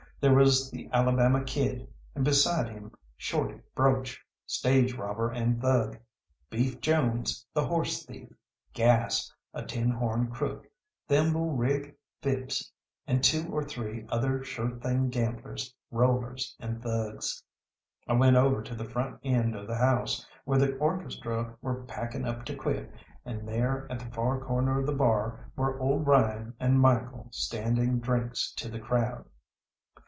There was the Alabama Kid, and beside him Shorty Broach, stage robber and thug, Beef Jones, the horse thief, Gas, a tin horn crook, Thimble Rig Phipps, and two or three other sure thing gamblers, rollers, and thugs. I went over to the front end of the house, where the orchestra were packing up to quit, and there at the far corner of the bar were old Ryan and Michael standing drinks to the crowd.